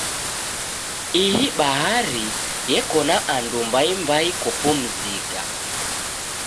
Ihi bahari yeko na andu mbaimbai kopumzika.